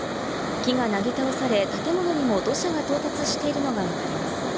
木がなぎ倒され、建物にも土砂が到達しているのがわかります。